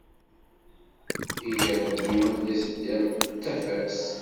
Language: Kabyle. Ig Rebbi anda i teddam d tafat.